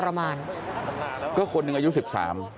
กลับไปลองกลับ